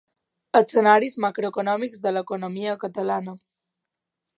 Escenaris macroeconòmics de l'economia catalana.